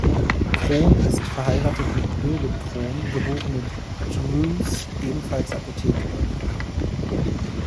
Krohn ist verheiratet mit "Birgit Krohn", geborene Drews, ebenfalls Apothekerin.